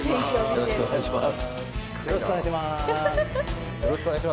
よろしくお願いします。